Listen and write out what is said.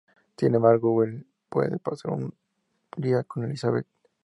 Sin embargo, Will puede pasar un día con Elizabeth.